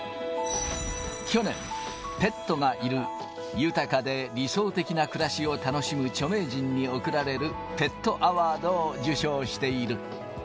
去年、ペットがいる豊かで理想的な暮らしを楽しむ著名人に贈られる、ペットアワードを受賞している。